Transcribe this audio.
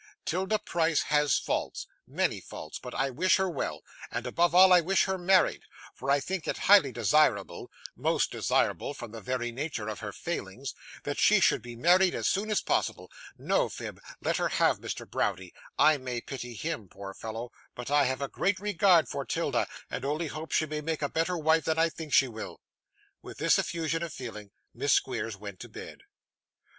'Tilda Price has faults many faults but I wish her well, and above all I wish her married; for I think it highly desirable most desirable from the very nature of her failings that she should be married as soon as possible. No, Phib. Let her have Mr. Browdie. I may pity HIM, poor fellow; but I have a great regard for 'Tilda, and only hope she may make a better wife than I think she will.' With this effusion of feeling, Miss Squeers went to bed.